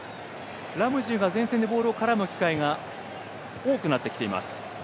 ラムジーが前線でボールに絡む機会が多くなってきています。